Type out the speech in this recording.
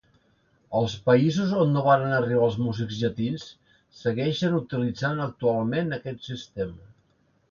Els països on no varen arribar els músics llatins segueixen utilitzant actualment aquest sistema.